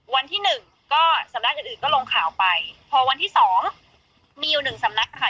วันที่หนึ่งก็สำนักอื่นอื่นก็ลงข่าวไปพอวันที่สองมีอยู่หนึ่งสำนักค่ะ